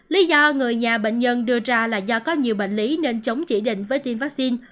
lý do người nhà bệnh nhân đưa ra là do có nhiều bệnh lý nên chống chỉ định với tiêm vaccine